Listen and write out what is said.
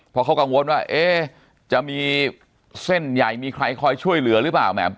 เพราะเขากังวลว่าจะมีเส้นใหญ่มีใครคอยช่วยเหลือหรือเปล่า